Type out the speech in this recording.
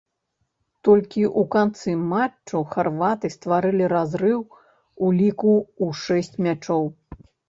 Толькі ў канцы матчу харваты стварылі разрыў у ліку ў шэсць мячоў.